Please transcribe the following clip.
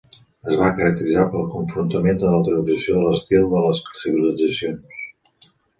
Es va caracteritzar pel confrontament de la teorització de l'estil de les civilitzacions.